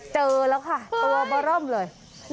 เจอแล้วค่ะตัวบร่อมเลย